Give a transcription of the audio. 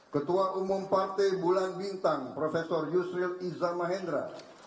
ketua umum partai bulan bintang prof yusril iza mahendra